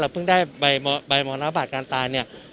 เราเพิ่งได้ใบหมอนะบาทการตายเนี่ย